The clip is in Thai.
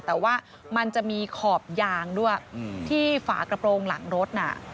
แต่ว่ามันจะมีขอบยางด้วยที่ฝากระโปรงหลังรถน่ะ